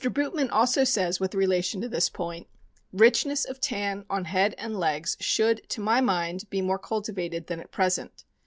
Bootman also says with relation to this point : Richness of tan on head and legs should, to my mind, be more cultivated than at present.